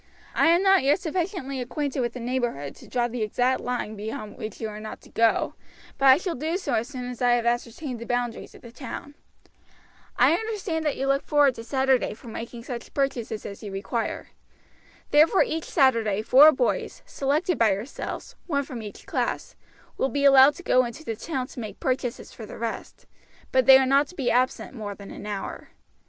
I am not yet sufficiently acquainted with the neighborhood to draw the exact line beyond which you are not to go, but I shall do so as soon as I have ascertained the boundaries of the town. "I understand that you look forward to Saturday for making such purchases as you require. Therefore each Saturday four boys, selected by yourselves, one from each class, will be allowed to go into the town to make purchases for the rest, but they are not to be absent more than an hour.